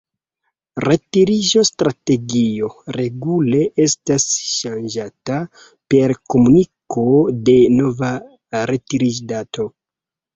Retiriĝo-strategio regule estas ŝanĝata per komuniko de nova retiriĝdato.